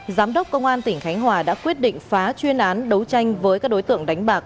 giám đốc công an tỉnh khánh hòa đã quyết định phá chuyên án đấu tranh với các đối tượng đánh bạc